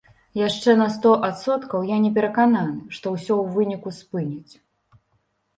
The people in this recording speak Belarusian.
Яшчэ на сто адсоткаў я не перакананы, што ўсё ў выніку спыняць.